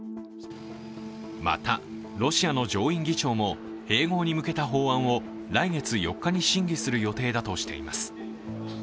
また、ロシアの上院議長も併合に向けた法案を来月４日に審議する予定だとしています。